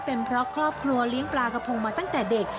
เป็นเพราะครอบครัวเลี้ยงปลากระพงมาตั้งแต่เด็ก